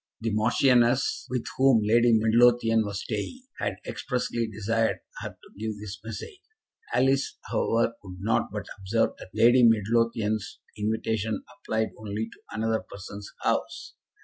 The Marchioness, with whom Lady Midlothian was staying, had expressly desired her to give this message. Alice, however, could not but observe that Lady Midlothian's invitation applied only to another person's house.